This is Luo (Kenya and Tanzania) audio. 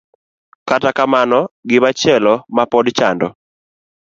Kata kamano, gimachielo ma pod chando